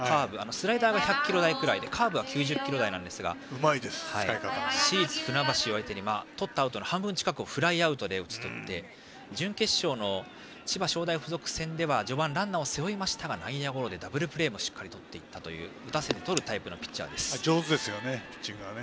スライダーが１００キロ台ぐらいでカーブは９０キロ台ですが市立船橋相手にとったアウトの半分近くをフライでとって準決勝の千葉商大付属戦では序盤、ランナーを背負いましたが内野ゴロでダブルプレーもとって打たせてとるタイプのピッチャーです。